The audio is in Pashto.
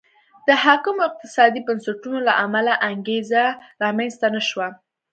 د حاکمو اقتصادي بنسټونو له امله انګېزه رامنځته نه شوه.